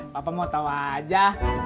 papa mau tau aja